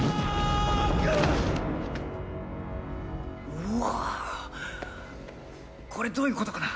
うわぁこれどういうことかな？